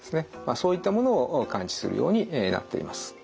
そういったものを感知するようになっています。